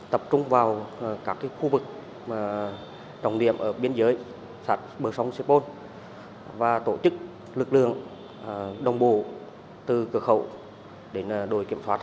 tập trung vào các khu vực trọng điệm ở biên giới sát bờ sông sepol và tổ chức lực lượng đồng bộ từ cửa khẩu đến đồi kiểm soát